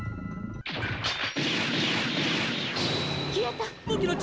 消えた！